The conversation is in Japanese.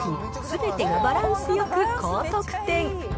すべてバランスよく高得点。